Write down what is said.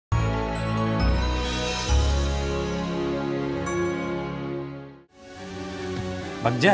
bagaimana pendapat anda tentang bagja